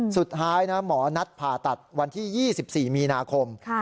สุดท้ายนะหมอนัดผ่าตัดวันที่๒๔มีนาคม